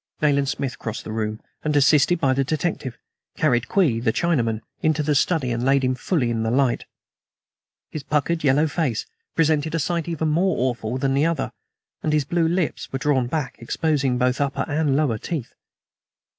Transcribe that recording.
Nayland Smith crossed the room, and, assisted by the detective, carried Kwee, the Chinaman, into the study and laid him fully in the light. His puckered yellow face presented a sight even more awful than the other, and his blue lips were drawn back, exposing both upper and lower teeth.